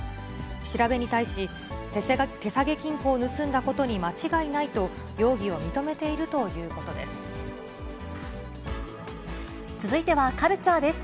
調べに対し、手提げ金庫を盗んだことに間違いないと、容疑を認めているということです。